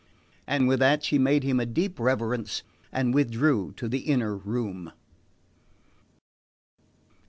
And with that she made him a deep reverence, and withdrew to the inner room.